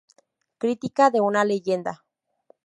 Crítica de una leyenda".